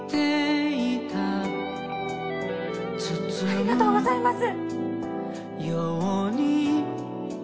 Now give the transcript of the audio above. ありがとうございます！